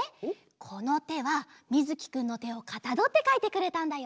このてはみずきくんのてをかたどってかいてくれたんだよ。